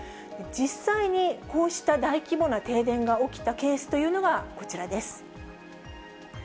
実際にこうした大規模な停電が起きたケースというのはこちらです。